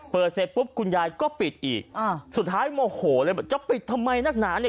เสร็จปุ๊บคุณยายก็ปิดอีกอ่าสุดท้ายโมโหเลยบอกจะปิดทำไมนักหนาเนี่ย